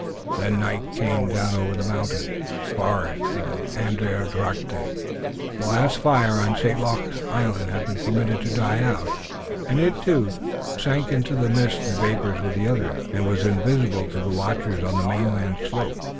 Then night came down over mountains, forest and Andiatarocte. The last fire on St Luc's island had been permitted to die out, and it, too, sank into the mists and vapors with the others, and was invisible to the watchers on the mainland slope.